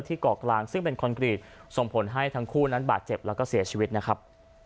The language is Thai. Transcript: เกาะกลางซึ่งเป็นคอนกรีตส่งผลให้ทั้งคู่นั้นบาดเจ็บแล้วก็เสียชีวิตนะครับ